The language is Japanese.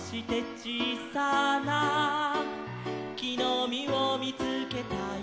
「ちいさなきのみをみつけたよ」